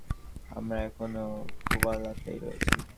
আমরা এখনও খুবালাতেই রয়েছি।